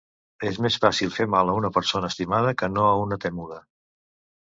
És més fàcil fer mal a una persona estimada que no a una temuda.